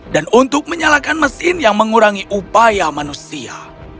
dan untuk menyalakan mesin yang mengurangi upaya manusia